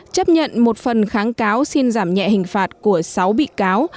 chấp nhận một phần kháng cáo xin giảm nhẹ hình phạt của sáu bị cáo